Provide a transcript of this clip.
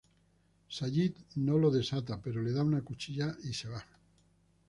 Sayid no lo desata pero le da una cuchilla y se va.